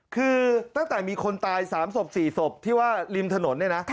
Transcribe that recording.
คือตั้งแต่มีคนตาย๓ศพ๔ศพที่ว่าริมถนนเนี่ยนะ